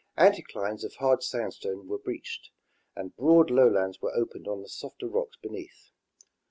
Anticlines of hard sandstone were breached, and broad lowlands were opened on the softer rocks beneath.